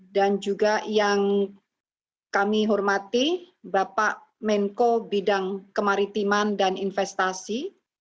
dan juga yang kami hormati bapak menko bidang kemaritiman dan investasi